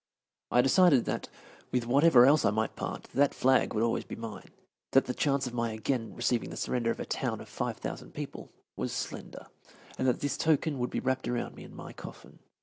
I decided that, with whatever else I might part, that flag would always be mine, that the chance of my again receiving the surrender of a town of five thousand people was slender, and that this token would be wrapped around me in my coffin.